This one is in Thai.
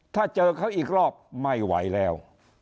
ถ้าเจอเขาอีกรอบไม่ไหวแล้ว